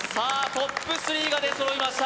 トップ３が出揃いました